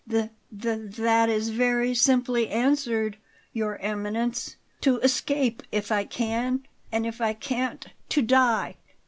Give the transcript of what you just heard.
"Th th that is very simply answered, Your Eminence. To escape if I can, and if I can't, to die."